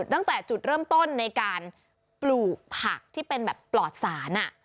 ตั้งแต่จุดเริ่มต้นในการปลูกผักที่เป็นแบบปลอดศาล